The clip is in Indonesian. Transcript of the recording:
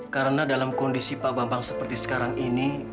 karena dalam kondisi pak bambang seperti sekarang ini